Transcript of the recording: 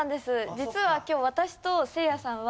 実は今日私とせいやさんは。